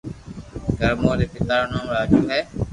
ڪرمون ري پيتا رو نوم راجو ھي